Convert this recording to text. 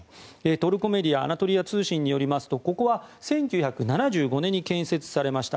トルコメディアアナトリア通信によりますとここは１９７５年に建設されました。